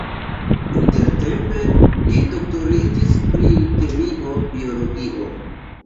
Intertempe li doktoriĝis pri kemio-biologio.